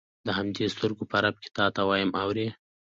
د همدې سترګو په رپ کې تا ته وایم اورې.